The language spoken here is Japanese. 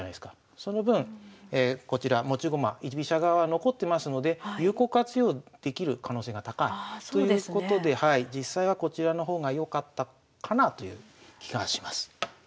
その分こちら持ち駒居飛車側残ってますので有効活用できる可能性が高いということで実際はこちらの方がよかったかなあという気がします。